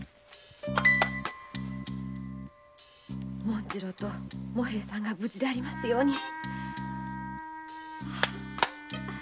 紋次郎と茂平さんが無事でありますように。